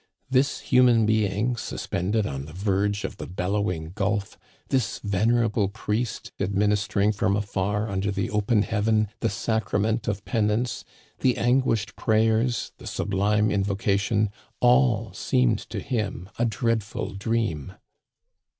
This human being suspended on the verge of the bellowing gulf, this venerable priest administering from afar under the open heaven the sacrament of penance, the anguished prayers, the sublime invocation, all seemed to him a dreadful dream.